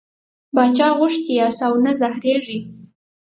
باچا غوښتي یاست او نه زهرېږئ.